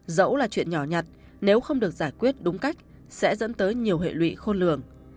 dẫu là chuyện nhỏ nhặt nếu không được giải quyết đúng cách sẽ dẫn tới nhiều hệ lụy khôn lường